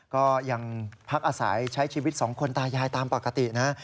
ก็ยังพักอาศัยใช้ชีวิตสองคนตายายตามปกตินะ